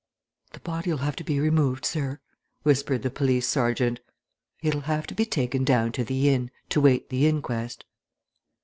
"The body'll have to be removed, sir," whispered the police sergeant. "It'll have to be taken down to the inn, to wait the inquest."